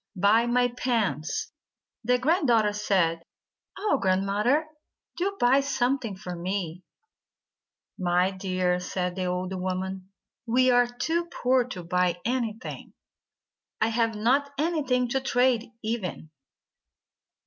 Buy my pans!" The grand daughter said: "Oh, Grandmother, do buy some thing for me !" "My dear," said the old woman, "we are too poor to buy anything. I have not anything to trade, even."